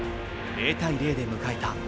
０対０で迎えた